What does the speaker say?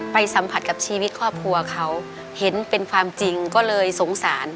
สัมผัสกับชีวิตครอบครัวเขาเห็นเป็นความจริงก็เลยสงสาร